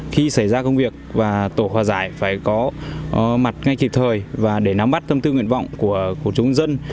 khi xảy ra công việc và tổ hòa giải phải có mặt ngay kịp thời và để nắm bắt tâm tư nguyện vọng của chúng dân